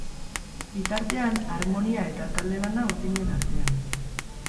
Bitartean, armonia eta talde lana urdinen artean.